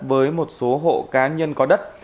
với một số hộ cá nhân có đất